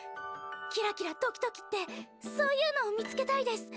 キラキラ、ドキドキってそういうのを見つけたいです。